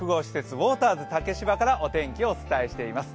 ウォーターズ竹芝からお天気をお伝えしています。